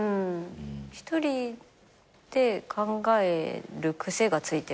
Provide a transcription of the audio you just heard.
一人で考える癖がついてるから。